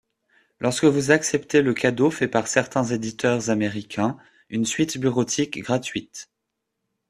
Lorsque vous acceptez le cadeau fait par certains éditeurs américains : une suite bureautique gratuite !